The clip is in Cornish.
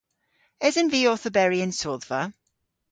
Esen vy owth oberi y'n sodhva?